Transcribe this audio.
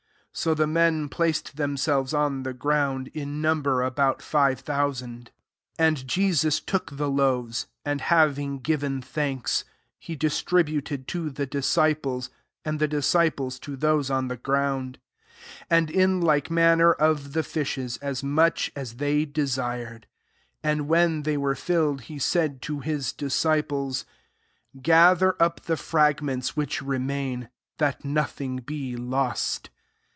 [^o] the men placed themselves on the ground, in number about five thousand. 11 And Jesus took the loaves; and, having given thanks, he distributed [io the discifilee, and the diadfilcB'] to those on the f^round : and in like manner of the fishes, as much as they de sired. 12 And when they were £lled, he said to his disciples, '^Gather up the fragments which remain, that nothing be lost."